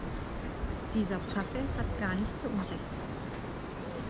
Dieser Pfaffe hat gar nicht so Unrecht.